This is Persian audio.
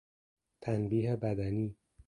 تنبیه بدنی